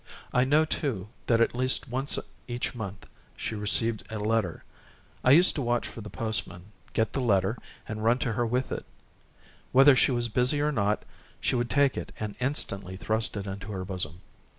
I know, too, that at least once each month she received a letter; I used to watch for the postman, get the letter, and run to her with it; whether she was busy or not, she would take it and instantly thrust it into her bosom.